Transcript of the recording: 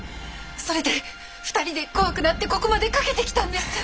それで２人で怖くなってここまで駆けてきたんです。